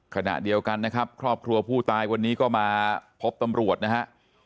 ขณะเดียวกันนะครับครอบครัวผู้ตายวันนี้ก็มาพบตำรวจนะฮะ